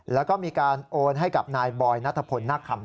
แล้วก็มีการโอนให้กับนายบอยนัทพลนักคำ